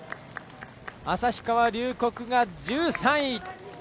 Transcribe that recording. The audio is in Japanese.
旭川龍谷が１３位。